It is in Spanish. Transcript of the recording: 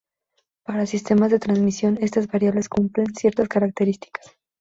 Para sistemas de transmisión, estas variables cumplen ciertas características.